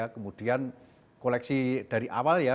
kemudian koleksi dari awal ya